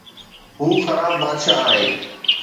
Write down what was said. هو خراب بادشاهه آهي